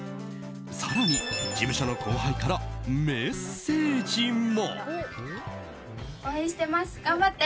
更に、事務所の後輩からメッセージも。